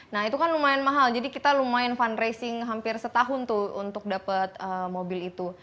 nah itu kan lumayan mahal jadi kita lumayan fundraising hampir setahun tuh untuk dapat mobil itu